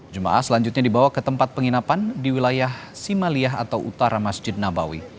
jemaah selanjutnya dibawa ke tempat penginapan di wilayah simaliyah atau utara masjid nabawi